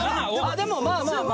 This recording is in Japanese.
でもまあまあまあまあ。